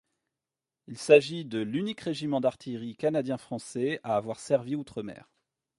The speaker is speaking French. Il s'agit de l'unique régiment d'artillerie canadien-français à avoir servi outremer.